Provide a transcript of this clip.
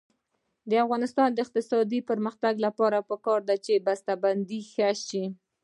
د افغانستان د اقتصادي پرمختګ لپاره پکار ده چې بسته بندي ښه شي.